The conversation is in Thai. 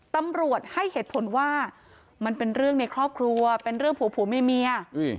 ตำรวจให้เหตุผลว่ามันเป็นเรื่องในครอบครัวเป็นเรื่องผัวผัวเมีย